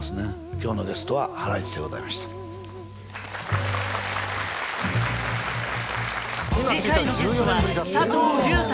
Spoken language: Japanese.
今日のゲストはハライチでございました次回のゲストは佐藤隆太